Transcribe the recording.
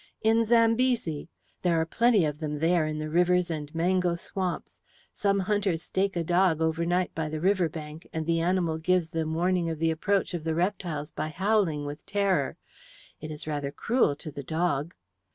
"In Zambesi. There are plenty of them there in the rivers and mango swamps. Some hunters stake a dog overnight by the river bank, and the animal gives them warning of the approach of the reptiles by howling with terror. It is rather cruel to the dog."